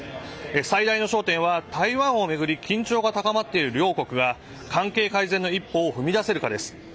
最大の焦点は台湾を巡り緊張が高まっている両国が関係改善の一歩を踏み出せるかです。